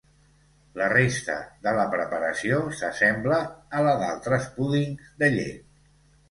La resta de la preparació s'assembla a la d'altres púdings de llet.